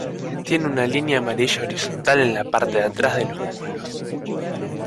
Tiene una línea amarilla horizontal en la parte de atrás de los muslos.